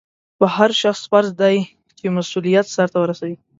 په هر شخص فرض دی چې مسؤلیت سرته ورسوي.